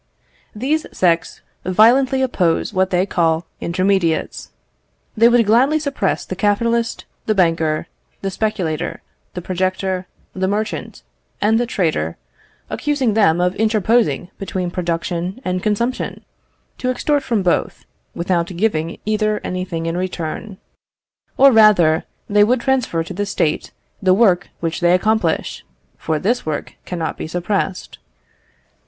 These sects violently oppose what they call intermediates. They would gladly suppress the capitalist, the banker, the speculator, the projector, the merchant, and the trader, accusing them of interposing between production and consumption, to extort from both, without giving either anything in return. Or rather, they would transfer to the State the work which they accomplish, for this work cannot be suppressed.